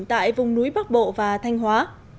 tại vùng núi bắc bộ và thanh hóa